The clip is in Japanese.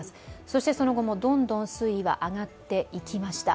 そしてその後もどんどん水位は上がっていきました。